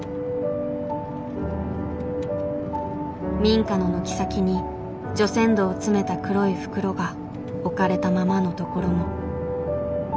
民家の軒先に除染土を詰めた黒い袋が置かれたままのところも。